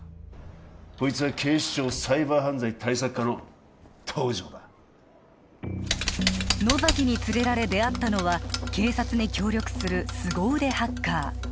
こいつは警視庁サイバー犯罪対策課の東条だ野崎に連れられ出会ったのは警察に協力するスゴ腕ハッカー